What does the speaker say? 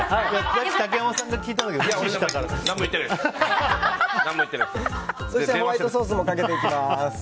竹山さんが聞いた時そしてホワイトソースもかけていきます。